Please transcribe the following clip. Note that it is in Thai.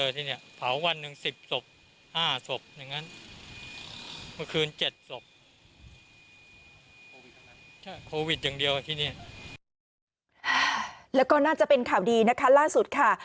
แล้วก็น่าจะเป็นข่าวดีนะคะล่าสุดค่ะ